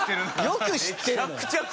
よく知ってるのよ。